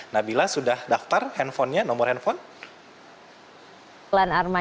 nabila sudah daftar nomor handphonenya